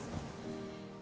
kita harus berpikir positif